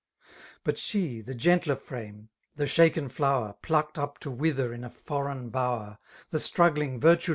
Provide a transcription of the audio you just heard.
But she^ the gentler f rune^ — ^the shaken flower. Plucked up to wither iu a foreign bower^ ^ The struggling, virtu&.